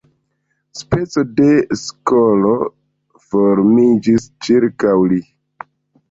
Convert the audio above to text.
Speco de skolo formiĝis ĉirkaŭ li.